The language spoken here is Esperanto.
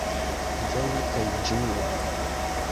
Venu kaj ĝuu!